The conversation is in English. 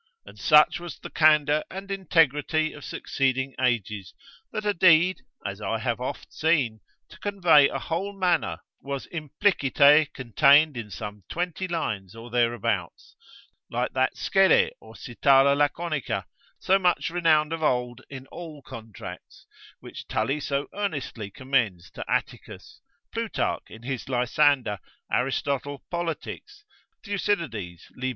And such was the candour and integrity of succeeding ages, that a deed (as I have oft seen) to convey a whole manor, was implicite contained in some twenty lines or thereabouts; like that scede or Sytala Laconica, so much renowned of old in all contracts, which Tully so earnestly commends to Atticus, Plutarch in his Lysander, Aristotle polit.: Thucydides, lib.